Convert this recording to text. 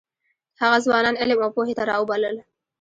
هغه ځوانان علم او پوهې ته راوبلل.